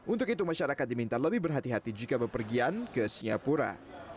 untuk itu masyarakat diminta lebih berhati hati jika berpergian ke singapura